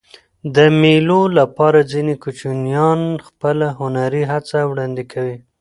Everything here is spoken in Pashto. د مېلو له پاره ځيني کوچنيان خپله هنري هڅه وړاندي کوي.